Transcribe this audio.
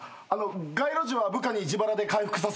街路樹は部下に自腹で回復させますので。